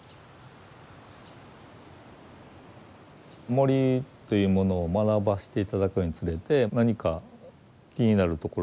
森というものを学ばせて頂くにつれて何か気になるところがあって。